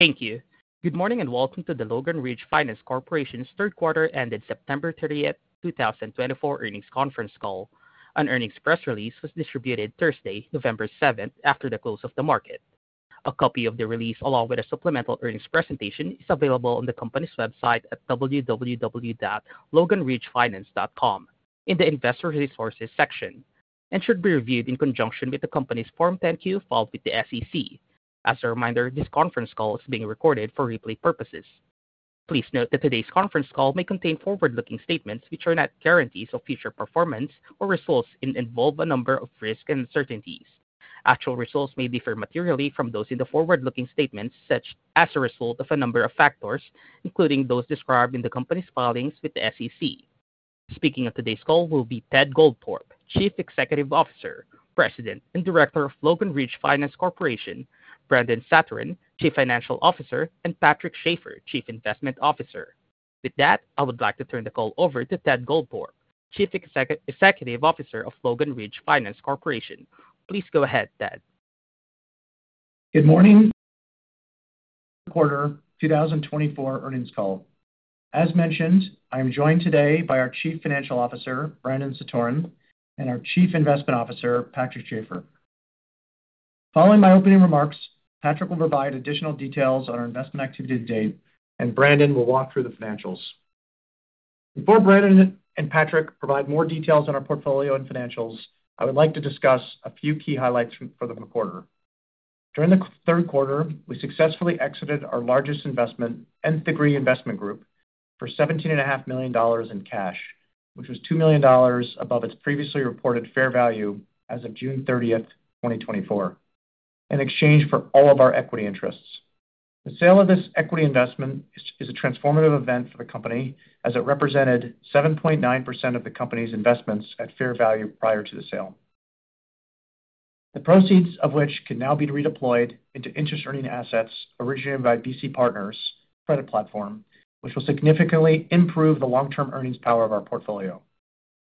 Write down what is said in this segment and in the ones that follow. Thank you. Good morning and welcome to the Logan Ridge Finance Corporation's third quarter ended September 30, 2024, earnings conference call. An earnings press release was distributed Thursday, November 7, after the close of the market. A copy of the release, along with a supplemental earnings presentation, is available on the company's website at www.loganridgefinance.com in the Investor Resources section and should be reviewed in conjunction with the company's Form 10-Q filed with the SEC. As a reminder, this conference call is being recorded for replay purposes. Please note that today's conference call may contain forward-looking statements, which are not guarantees of future performance or results and involve a number of risks and uncertainties. Actual results may differ materially from those in the forward-looking statements as a result of a number of factors, including those described in the company's filings with the SEC. Speaking of today's call will be Ted Goldthorpe, Chief Executive Officer, President and Director of Logan Ridge Finance Corporation, Brandon Satoren, Chief Financial Officer, and Patrick Schafer, Chief Investment Officer. With that, I would like to turn the call over to Ted Goldthorpe, Chief Executive Officer of Logan Ridge Finance Corporation. Please go ahead, Ted. Good morning. Quarter 2024 earnings call. As mentioned, I am joined today by our Chief Financial Officer, Brandon Satoren, and our Chief Investment Officer, Patrick Schafer. Following my opening remarks, Patrick will provide additional details on our investment activity to date, and Brandon will walk through the financials. Before Brandon and Patrick provide more details on our portfolio and financials, I would like to discuss a few key highlights for the quarter. During the third quarter, we successfully exited our largest investment, Nth Degree Investment Group, for $17.5 million in cash, which was $2 million above its previously reported fair value as of June 30, 2024, in exchange for all of our equity interests. The sale of this equity investment is a transformative event for the company, as it represented 7.9% of the company's investments at fair value prior to the sale. The proceeds of which can now be redeployed into interest-earning assets originated by BC Partners' credit platform, which will significantly improve the long-term earnings power of our portfolio.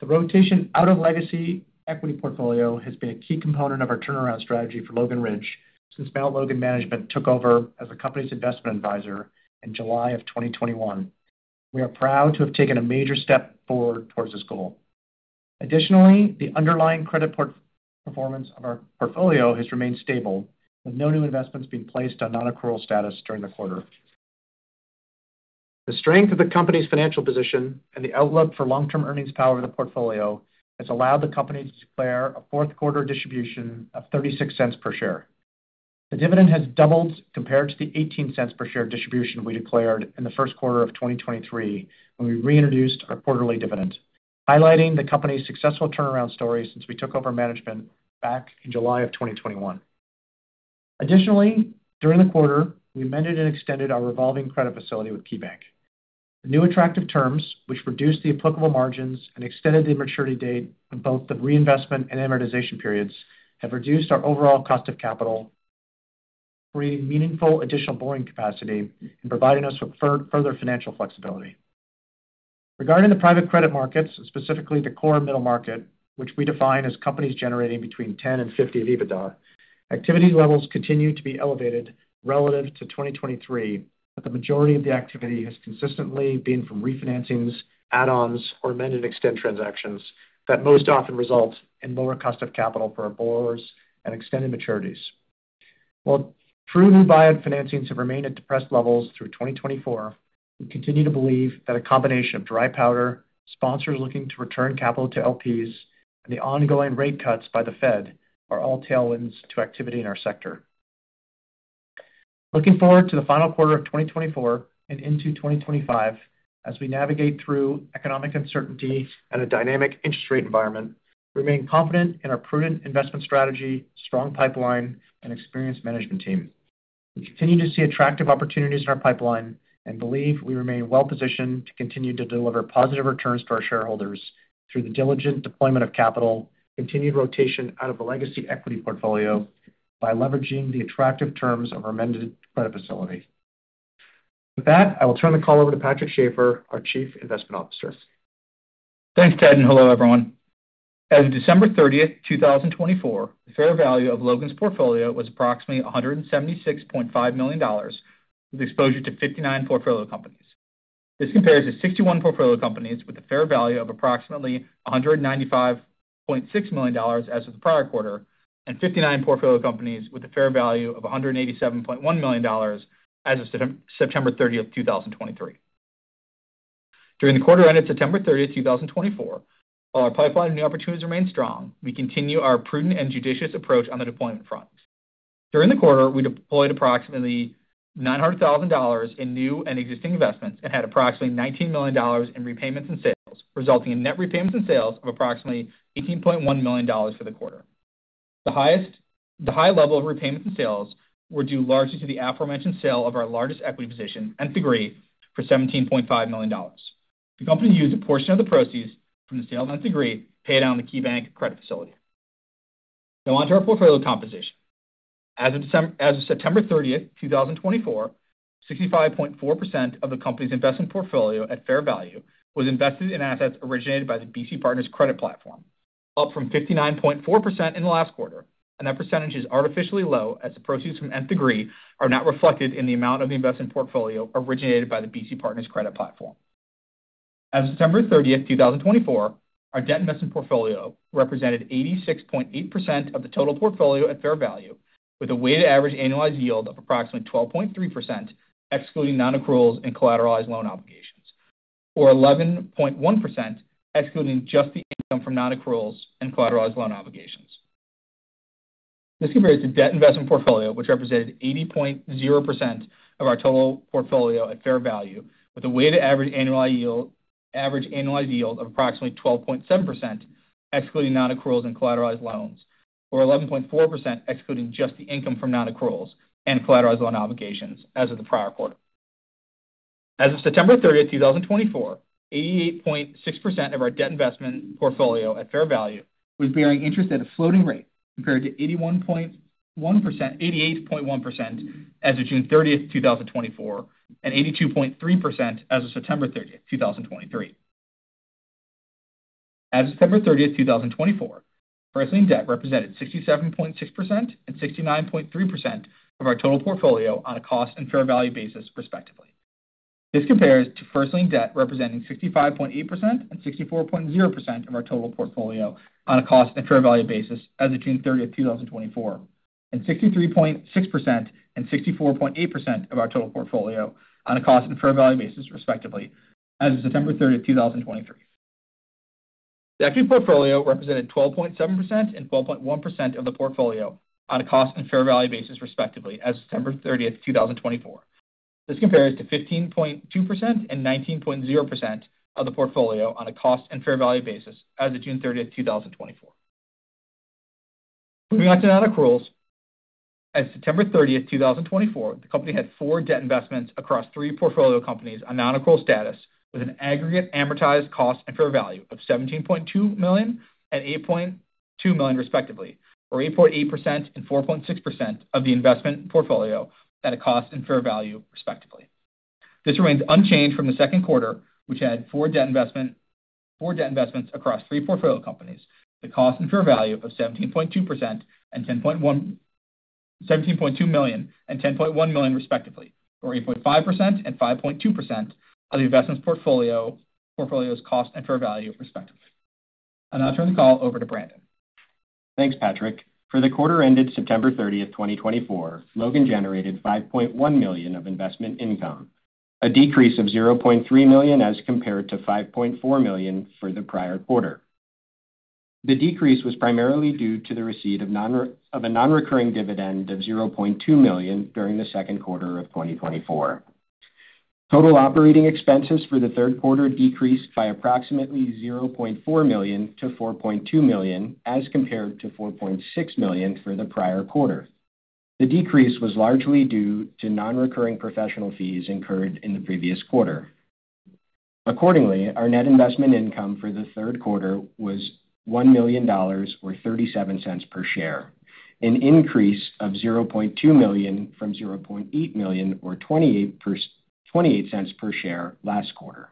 The rotation out of legacy equity portfolio has been a key component of our turnaround strategy for Logan Ridge since Mount Logan Management took over as the company's investment advisor in July of 2021. We are proud to have taken a major step forward towards this goal. Additionally, the underlying credit performance of our portfolio has remained stable, with no new investments being placed on non-accrual status during the quarter. The strength of the company's financial position and the outlook for long-term earnings power of the portfolio has allowed the company to declare a fourth-quarter distribution of $0.36 per share. The dividend has doubled compared to the $0.18 per share distribution we declared in the first quarter of 2023 when we reintroduced our quarterly dividend, highlighting the company's successful turnaround story since we took over management back in July of 2021. Additionally, during the quarter, we amended and extended our revolving credit facility with KeyBank. The new attractive terms, which reduced the applicable margins and extended the maturity date on both the reinvestment and amortization periods, have reduced our overall cost of capital, creating meaningful additional borrowing capacity and providing us with further financial flexibility. Regarding the private credit markets, specifically the core middle market, which we define as companies generating between 10 and 50 EBITDA, activity levels continue to be elevated relative to 2023, but the majority of the activity has consistently been from refinancings, add-ons, or amend-and-extend transactions that most often result in lower cost of capital for our borrowers and extended maturities. While true new buyout financings have remained at depressed levels through 2024, we continue to believe that a combination of dry powder, sponsors looking to return capital to LPs, and the ongoing rate cuts by the Fed are all tailwinds to activity in our sector. Looking forward to the final quarter of 2024 and into 2025, as we navigate through economic uncertainty and a dynamic interest rate environment, we remain confident in our prudent investment strategy, strong pipeline, and experienced management team. We continue to see attractive opportunities in our pipeline and believe we remain well-positioned to continue to deliver positive returns to our shareholders through the diligent deployment of capital, continued rotation out of the legacy equity portfolio, by leveraging the attractive terms of our amended credit facility. With that, I will turn the call over to Patrick Schafer, our Chief Investment Officer. Thanks, Ted, and hello, everyone. As of December 30, 2024, the fair value of Logan's portfolio was approximately $176.5 million, with exposure to 59 portfolio companies. This compares to 61 portfolio companies with a fair value of approximately $195.6 million as of the prior quarter and 59 portfolio companies with a fair value of $187.1 million as of September 30, 2023. During the quarter-ended September 30, 2024, while our pipeline of new opportunities remained strong, we continue our prudent and judicious approach on the deployment front. During the quarter, we deployed approximately $900,000 in new and existing investments and had approximately $19 million in repayments and sales, resulting in net repayments and sales of approximately $18.1 million for the quarter. The high level of repayments and sales were due largely to the aforementioned sale of our largest equity position, Nth Degree, for $17.5 million. The company used a portion of the proceeds from the sale of Nth Degree to pay down the KeyBank credit facility. Now on to our portfolio composition. As of September 30, 2024, 65.4% of the company's investment portfolio at fair value was invested in assets originated by the BC Partners credit platform, up from 59.4% in the last quarter, and that percentage is artificially low as the proceeds from Nth Degree are not reflected in the amount of the investment portfolio originated by the BC Partners credit platform. As of September 30, 2024, our debt investment portfolio represented 86.8% of the total portfolio at fair value, with a weighted average annualized yield of approximately 12.3%, excluding non-accruals and collateralized loan obligations, or 11.1%, excluding just the income from non-accruals and collateralized loan obligations. This compares to debt investment portfolio, which represented 80.0% of our total portfolio at fair value, with a weighted average annualized yield of approximately 12.7%, excluding non-accruals and collateralized loan obligations, or 11.4%, excluding just the income from non-accruals and collateralized loan obligations as of the prior quarter. As of September 30, 2024, 88.6% of our debt investment portfolio at fair value was bearing interest at a floating rate compared to 88.1% as of June 30, 2024, and 82.3% as of September 30, 2023. As of September 30, 2024, first-lien debt represented 67.6% and 69.3% of our total portfolio on a cost and fair value basis, respectively. This compares to first-lien debt representing 65.8% and 64.0% of our total portfolio on a cost and fair value basis as of June 30, 2024, and 63.6% and 64.8% of our total portfolio on a cost and fair value basis, respectively, as of September 30, 2023. The equity portfolio represented 12.7% and 12.1% of the portfolio on a cost and fair value basis, respectively, as of September 30, 2024. This compares to 15.2% and 19.0% of the portfolio on a cost and fair value basis as of June 30, 2024. Moving on to non-accruals, as of September 30, 2024, the company had four debt investments across three portfolio companies on non-accrual status with an aggregate amortized cost and fair value of $17.2 million and $8.2 million, respectively, or 8.8% and 4.6% of the investment portfolio at a cost and fair value, respectively. This remains unchanged from the second quarter, which had four debt investments across three portfolio companies with a cost and fair value of 17.2% and $17.2 million and $10.1 million, respectively, or 8.5% and 5.2% of the investment portfolio's cost and fair value, respectively. I'll now turn the call over to Brandon. Thanks, Patrick. For the quarter-ended September 30, 2024, Logan generated $5.1 million of investment income, a decrease of $0.3 million as compared to $5.4 million for the prior quarter. The decrease was primarily due to the receipt of a non-recurring dividend of $0.2 million during the second quarter of 2024. Total operating expenses for the third quarter decreased by approximately $0.4 million to $4.2 million as compared to $4.6 million for the prior quarter. The decrease was largely due to non-recurring professional fees incurred in the previous quarter. Accordingly, our net investment income for the third quarter was $1 million, or $0.37 per share, an increase of $0.2 million from $0.8 million, or $0.28 per share, last quarter.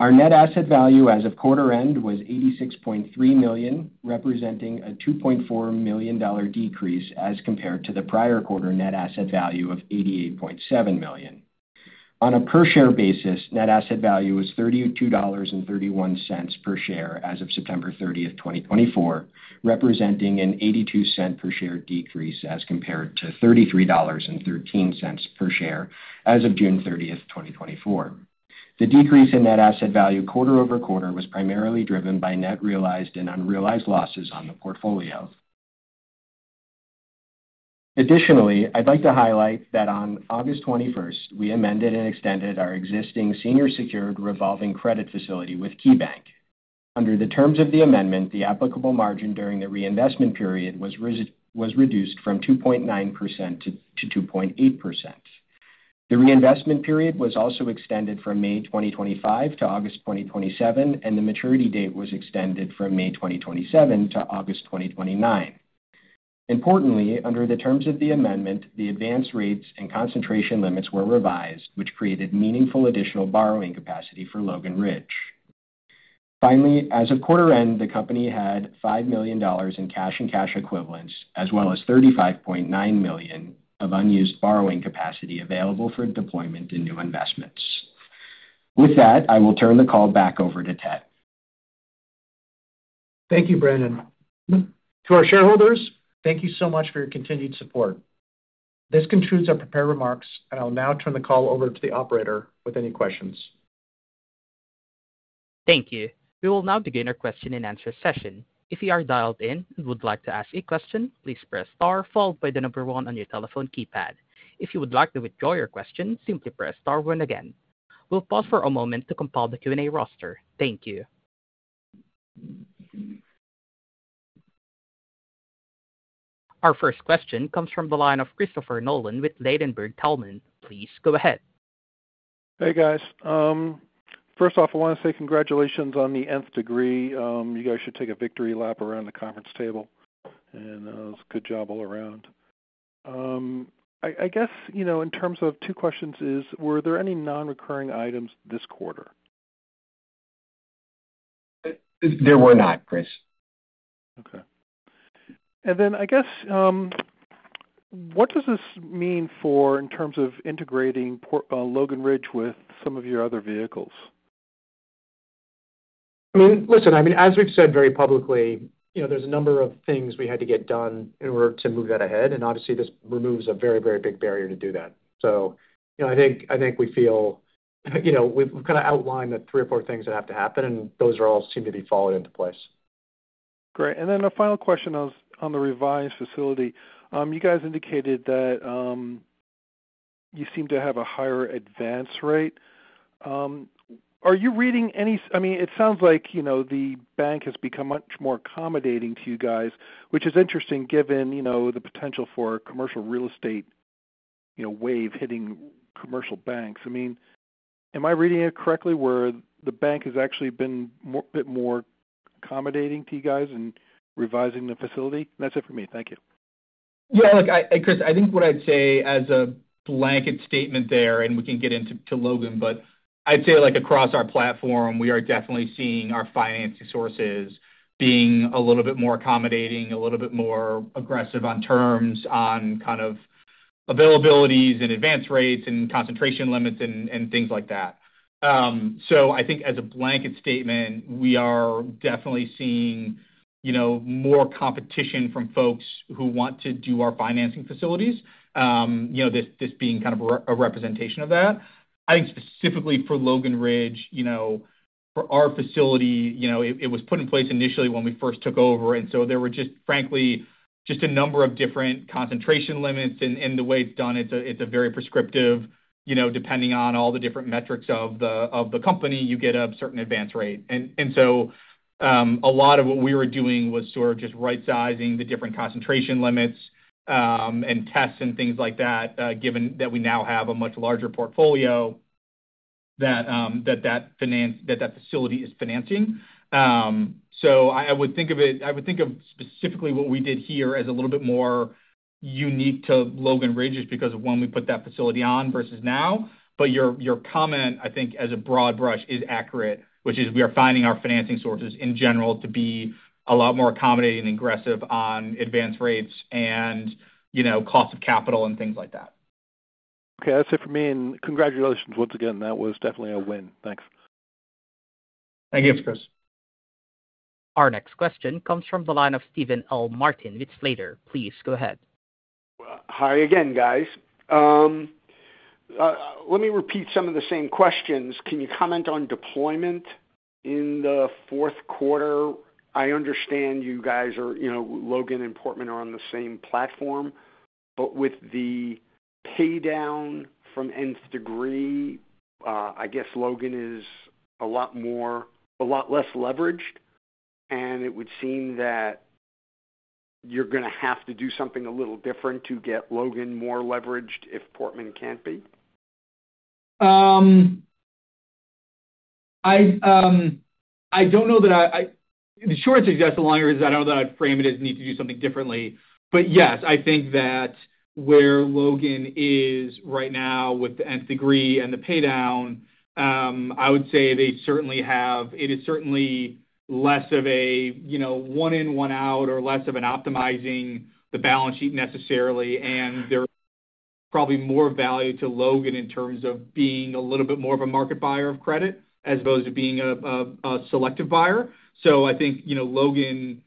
Our net asset value as of quarter-end was $86.3 million, representing a $2.4 million decrease as compared to the prior quarter net asset value of $88.7 million. On a per-share basis, net asset value was $32.31 per share as of September 30, 2024, representing an $0.82 per share decrease as compared to $33.13 per share as of June 30, 2024. The decrease in Net Asset Value quarter over quarter was primarily driven by net realized and unrealized losses on the portfolio. Additionally, I'd like to highlight that on August 21, we amended and extended our existing senior secured revolving credit facility with KeyBank. Under the terms of the amendment, the applicable margin during the reinvestment period was reduced from 2.9% to 2.8%. The reinvestment period was also extended from May 2025 to August 2027, and the maturity date was extended from May 2027 to August 2029. Importantly, under the terms of the amendment, the advance rates and concentration limits were revised, which created meaningful additional borrowing capacity for Logan Ridge. Finally, as of quarter-end, the company had $5 million in cash and cash equivalents, as well as $35.9 million of unused borrowing capacity available for deployment in new investments. With that, I will turn the call back over to Ted. Thank you, Brandon. To our shareholders, thank you so much for your continued support. This concludes our prepared remarks, and I'll now turn the call over to the operator with any questions. Thank you. We will now begin our question-and-answer session. If you are dialed in and would like to ask a question, please press star followed by the number one on your telephone keypad. If you would like to withdraw your question, simply press star one again. We'll pause for a moment to compile the Q&A roster. Thank you. Our first question comes from the line of Christopher Nolan with Ladenburg Thalmann. Please go ahead. Hey, guys. First off, I want to say congratulations on the Nth Degree. You guys should take a victory lap around the conference table, and it was a good job all around. I guess in terms of two questions, were there any non-recurring items this quarter? There were not, Chris. Okay. And then I guess what does this mean for in terms of integrating Logan Ridge with some of your other vehicles? I mean, listen, as we've said very publicly, there's a number of things we had to get done in order to move that ahead, and obviously, this removes a very, very big barrier to do that. So I think we feel we've kind of outlined the three or four things that have to happen, and those all seem to be falling into place. Great. And then a final question on the revised facility. You guys indicated that you seem to have a higher advance rate. Are you reading any? I mean, it sounds like the bank has become much more accommodating to you guys, which is interesting given the potential for a commercial real estate wave hitting commercial banks. I mean, am I reading it correctly where the bank has actually been a bit more accommodating to you guys in revising the facility? That's it for me. Thank you. Yeah. Look, Chris, I think what I'd say as a blanket statement there, and we can get into Logan, but I'd say across our platform, we are definitely seeing our financing sources being a little bit more accommodating, a little bit more aggressive on terms, on kind of availabilities and advance rates and concentration limits and things like that. So I think as a blanket statement, we are definitely seeing more competition from folks who want to do our financing facilities, this being kind of a representation of that. I think specifically for Logan Ridge, for our facility, it was put in place initially when we first took over, and so there were just, frankly, just a number of different concentration limits, and the way it's done, it's a very prescriptive, depending on all the different metrics of the company, you get a certain advance rate. A lot of what we were doing was sort of just right-sizing the different concentration limits and tests and things like that, given that we now have a much larger portfolio that that facility is financing. I would think of it specifically what we did here as a little bit more unique to Logan Ridge just because of when we put that facility on versus now, but your comment, I think, as a broad brush is accurate, which is we are finding our financing sources in general to be a lot more accommodating and aggressive on advance rates and cost of capital and things like that. Okay. That's it for me, and congratulations once again. That was definitely a win. Thanks. Thank you, Chris. Our next question comes from the line of Stephen L. Martin with Slate. Please go ahead. Hi, again, guys. Let me repeat some of the same questions. Can you comment on deployment in the fourth quarter? I understand you guys are Logan and Portman are on the same platform, but with the paydown from Nth Degree, I guess Logan is a lot less leveraged, and it would seem that you're going to have to do something a little different to get Logan more leveraged if Portman can't be? I don't know that. The short answer to that, the long answer is I don't know that I'd frame it as a need to do something differently, but yes, I think that where Logan is right now with the Nth Degree and the paydown, I would say they certainly have. It is certainly less of a one-in-one-out or less of an optimizing the balance sheet necessarily, and there's probably more value to Logan in terms of being a little bit more of a market buyer of credit as opposed to being a selective buyer. So I think Logan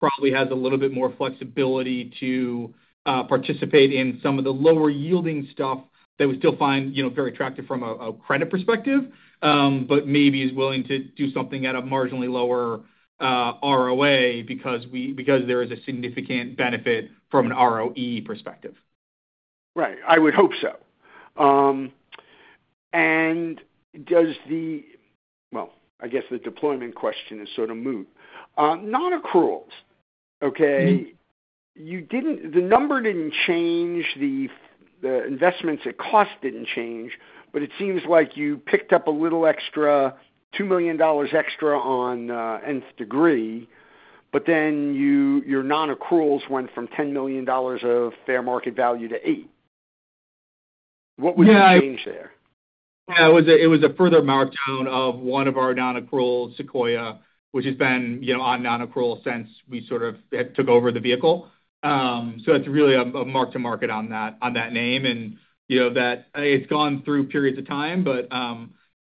probably has a little bit more flexibility to participate in some of the lower-yielding stuff that we still find very attractive from a credit perspective, but maybe is willing to do something at a marginally lower ROA because there is a significant benefit from an ROE perspective. Right. I would hope so. And does the, well, I guess the deployment question is sort of moot. Non-accruals, okay? The number didn't change, the investments, the cost didn't change, but it seems like you picked up a little extra, $2 million extra on Nth Degree, but then your non-accruals went from $10 million of fair market value to $8 million. What was the change there? Yeah. It was a further markdown of one of our non-accruals, Sequoia, which has been on non-accrual since we sort of took over the vehicle. So that's really a mark-to-market on that name, and it's gone through periods of time, but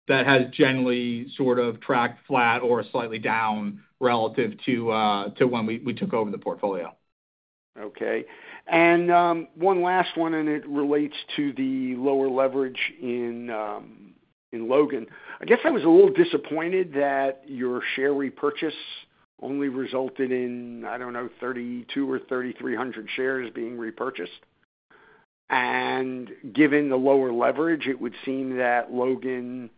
that has generally sort of tracked flat or slightly down relative to when we took over the portfolio. Okay. And one last one, and it relates to the lower leverage in Logan. I guess I was a little disappointed that your share repurchase only resulted in, I don't know, 32 or 3,300 shares being repurchased. And given the lower leverage, it would seem that Logan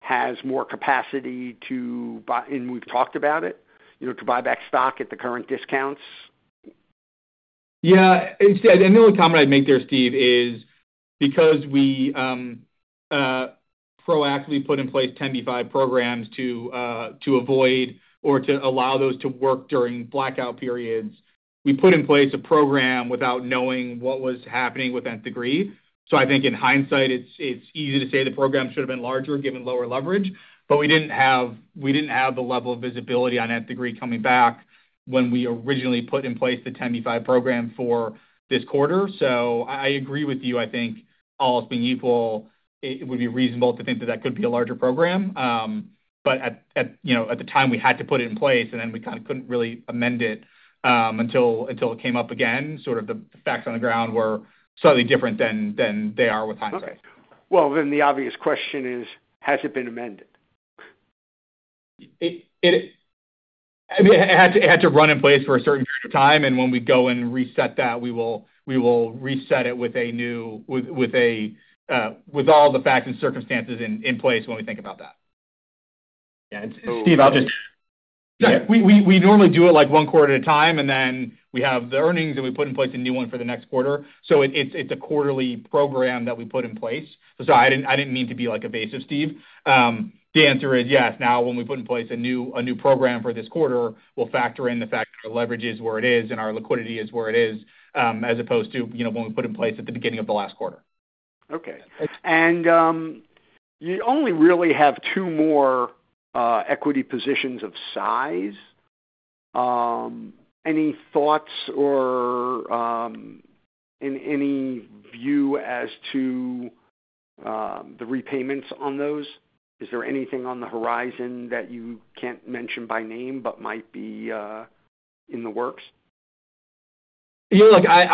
has more capacity to buy, and we've talked about it, to buy back stock at the current discounts. Yeah. And the only comment I'd make there, Steve, is because we proactively put in place 10b5-1 programs to avoid or to allow those to work during blackout periods, we put in place a program without knowing what was happening with Nth Degree. So I think in hindsight, it's easy to say the program should have been larger given lower leverage, but we didn't have the level of visibility on Nth Degree coming back when we originally put in place the 10b5-1 program for this quarter. So I agree with you. I think all else being equal, it would be reasonable to think that that could be a larger program. But at the time, we had to put it in place, and then we kind of couldn't really amend it until it came up again. Sort of the facts on the ground were slightly different than they are with hindsight. Okay. Well, then the obvious question is, has it been amended? It had to run in place for a certain period of time, and when we go and reset that, we will reset it with all the facts and circumstances in place when we think about that. Yeah. And Steve. Yeah. We normally do it one quarter at a time, and then we have the earnings, and we put in place a new one for the next quarter. So it's a quarterly program that we put in place. So sorry, I didn't mean to be evasive, Steve. The answer is yes. Now, when we put in place a new program for this quarter, we'll factor in the fact that our leverage is where it is and our liquidity is where it is as opposed to when we put in place at the beginning of the last quarter. Okay, and you only really have two more equity positions of size. Any thoughts or any view as to the repayments on those? Is there anything on the horizon that you can't mention by name but might be in the works? Look, I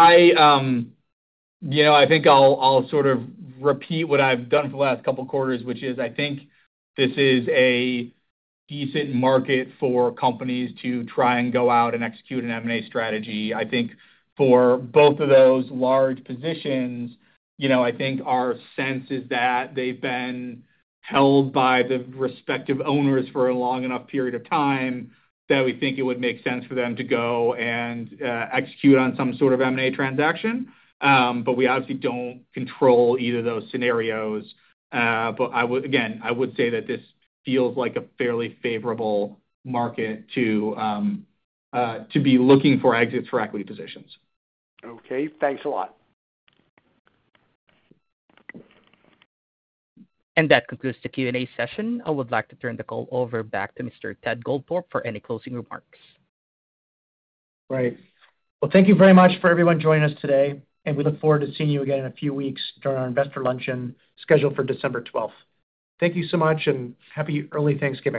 think I'll sort of repeat what I've done for the last couple of quarters, which is I think this is a decent market for companies to try and go out and execute an M&A strategy. I think for both of those large positions, I think our sense is that they've been held by the respective owners for a long enough period of time that we think it would make sense for them to go and execute on some sort of M&A transaction. But we obviously don't control either of those scenarios. But again, I would say that this feels like a fairly favorable market to be looking for exits for equity positions. Okay. Thanks a lot. That concludes the Q&A session. I would like to turn the call over back to Mr. Ted Goldthorpe for any closing remarks. Right. Well, thank you very much for everyone joining us today, and we look forward to seeing you again in a few weeks during our investor luncheon scheduled for December 12th. Thank you so much, and happy early Thanksgiving.